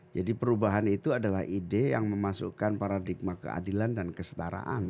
jadi perubahan itu adalah ide yang memasukkan paradigma keadilan dan kesetaraan